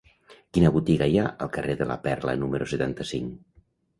Quina botiga hi ha al carrer de la Perla número setanta-cinc?